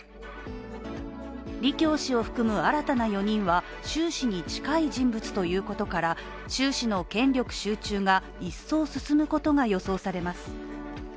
李強氏を含む新たな４人は習氏に近い人物ということから習氏の権力集中が一層進むことが予想されます。